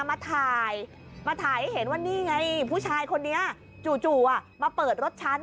มาถ่ายมาถ่ายให้เห็นว่านี่ไงผู้ชายคนนี้จู่มาเปิดรถฉัน